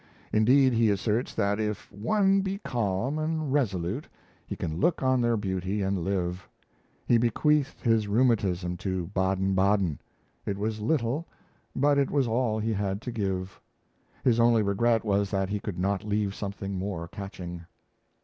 Indeed, he asserts that if one be calm and resolute, he can look on their beauty and live! He bequeathed his rheumatism to Baden Baden. It was little, but it was all he had to give. His only regret was that he could not leave something more catching.